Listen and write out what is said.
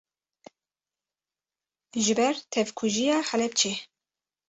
ji ber tevkujiya Helepçê